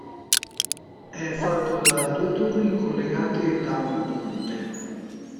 È fatto da due torri collegate da un ponte.